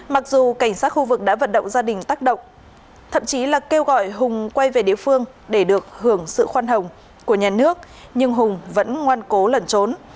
mặc dù cảnh sát khu vực đã vận động gia đình tác động thậm chí là kêu gọi hùng quay về địa phương để được hưởng sự khoan hồng của nhà nước nhưng hùng vẫn ngoan cố lẩn trốn